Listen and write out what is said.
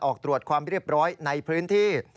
ออกตรวจความเรียบร้อยในพื้นที่